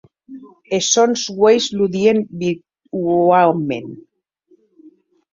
Es sòns uelhs ludien viuaments.